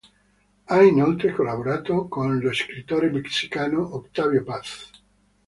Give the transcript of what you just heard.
Ha inoltre collaborato con lo scrittore messicano Octavio Paz.